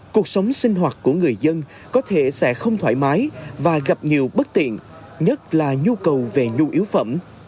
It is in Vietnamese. cuộc sống sinh hoạt của người dân có thể sẽ không thoải mái và gặp nhiều bất tiện nhất là nhu cầu về nhu yếu phẩm